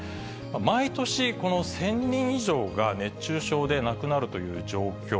毎年この１０００人以上が熱中症で亡くなるという状況。